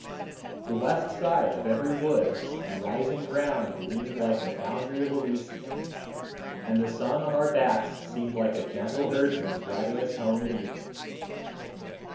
The west side of every wood and rising ground gleamed like the boundary of Elysium, and the sun on our backs seemed like a gentle herdsman driving us home at evening.